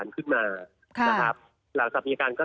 จริงค่ะ